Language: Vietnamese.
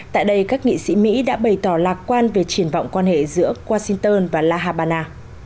tại đây các nghị sĩ mỹ đã bày tỏ lạc quan về triển vọng quan hệ giữa washington và la habana